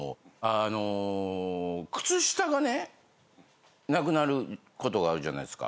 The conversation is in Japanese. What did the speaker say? あの靴下がねなくなることがあるじゃないですか。